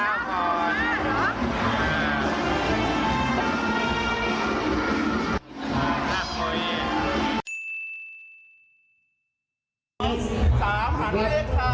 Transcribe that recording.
เลขอะไรแจ้ว